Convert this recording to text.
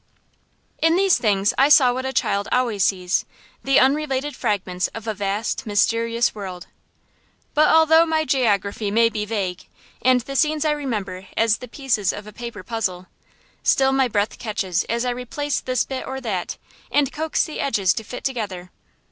In these things I saw what a child always sees: the unrelated fragments of a vast, mysterious world. But although my geography may be vague, and the scenes I remember as the pieces of a paper puzzle, still my breath catches as I replace this bit or that, and coax the edges to fit together.